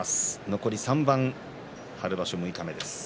残り３番、春場所六日目です。